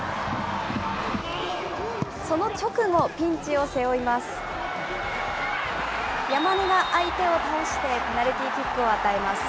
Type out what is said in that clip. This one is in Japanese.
その直後、ピンチを背負います。